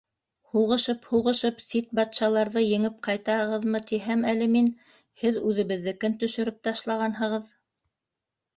Һуғышып-һуғышып, сит батшаларҙы еңеп ҡайтаһығыҙмы тиһәм әле мин, һеҙ үҙебеҙҙекен төшөрөп ташлағанһығыҙ.